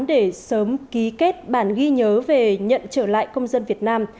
để sớm ký kết bản ghi nhớ về nhận trở lại công dân việt nam